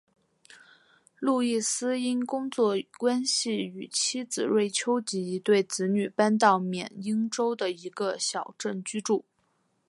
路易斯因工作关系与妻子瑞秋及一对子女搬到缅因州的一个小镇居住。